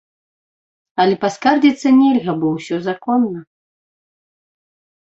Але паскардзіцца нельга, бо ўсё законна.